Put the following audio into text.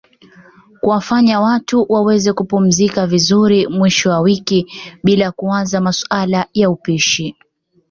kuwafanya watu waweze kupumzika vizuri mwisho wa wiki bilaa kuwaza masuala ya upishi